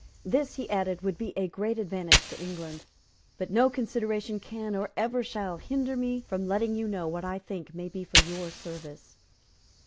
"This," he added, "would be a great advantage to England. But no consideration can, or ever shall, hinder me from letting you know what I think may be for your service."